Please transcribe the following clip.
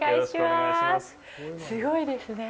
すごいですね。